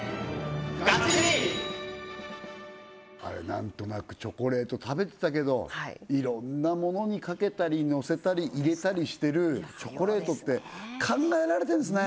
何となくチョコレート食べてたけどいろんなものにかけたりのせたり入れたりしてるチョコレートって考えられてんですね